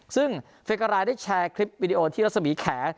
ซึ่งเฟการายได้แชร์คลิปวิดีโอที่รัศมีแข